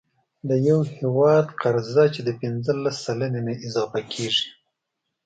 د یو هیواد قرضه چې د پنځلس سلنې نه اضافه کیږي،